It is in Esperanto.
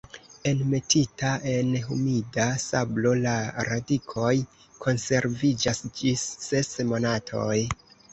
Enmetita en humida sablo la radikoj konserviĝas ĝis ses monatoj.